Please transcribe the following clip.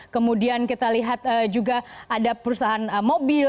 kemudian kita lihat juga ada perusahaan mobil